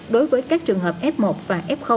đối với các trường hợp f một và f